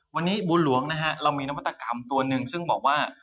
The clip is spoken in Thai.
วันนี้บุญหลวงนะฮะเรามีนวัตกรรมตัวหนึ่งซึ่งบอกว่า